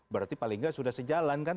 berarti paling nggak sudah sejalan kan